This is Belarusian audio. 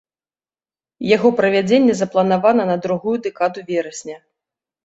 Яго правядзенне запланавана на другую дэкаду верасня.